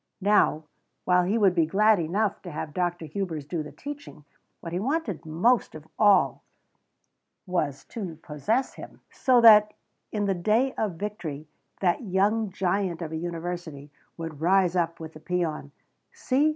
Now, while he would be glad enough to have Dr. Hubers do the teaching, what he wanted most of all was to possess him, so that in the day of victory that young giant of a university would rise up with the peon: "See!